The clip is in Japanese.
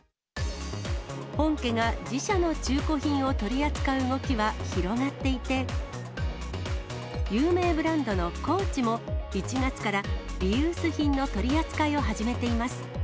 本家が自社の中古品を取り扱う動きは広がっていて、有名ブランドのＣＯＡＣＨも、１月からリユース品の取り扱いを始めています。